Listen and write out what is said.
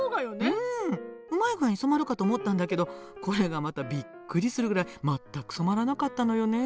うまい具合に染まるかと思ったんだけどこれがまたビックリするぐらい全く染まらなかったのよね。